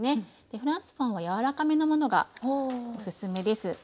フランスパンは柔らかめのものがおすすめです。